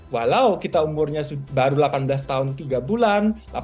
walau kita umurnya baru delapan belas tahun tiga bulan